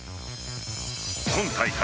今大会